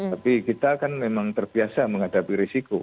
tapi kita kan memang terbiasa menghadapi risiko